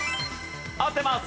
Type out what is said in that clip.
合ってます。